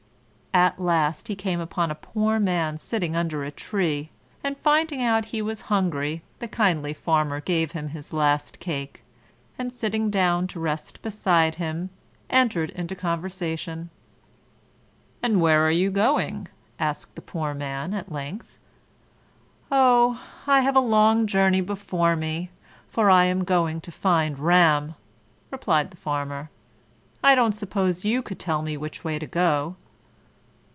At last he came upon a poor man sitting under a tree, and finding out he was hungry the kindly Farmer gave him his last cake, and, sitting down to rest beside him, entered into conversation. "And where are you going?" asked the poor man, at length. "Oh, I have a long journey before me, for I am going to find Ram!" replied the Farmer. "I don't suppose you could tell me which way to go?"